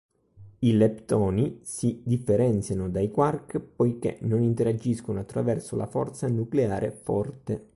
I leptoni si differenziano dai quark poiché non interagiscono attraverso la forza nucleare forte.